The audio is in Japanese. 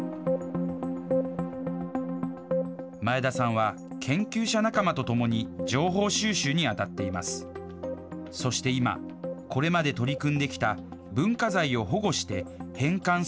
前田さんは、研究者仲間と共に、情報収集に当たっています。